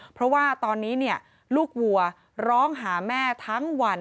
เพราะว่าตอนนี้ลูกวัวร้องหาแม่ทั้งวัน